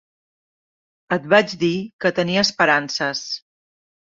Et vaig dir que tenia esperances.